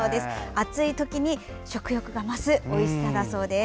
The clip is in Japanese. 暑い時に食欲が増すおいしさだそうです。